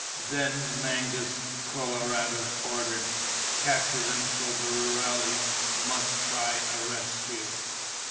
Then Mangus Coloradus ordered: "Capture them so the rurales must try a rescue."